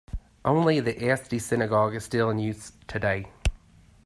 Only the Asti synagogue is still in use today.